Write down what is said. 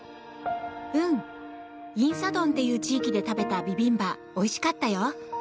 うん仁寺洞という地域で食べたビビンバおいしかったよ。